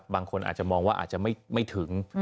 บางคนอาจจะมองว่าอาจจะไม่ถึง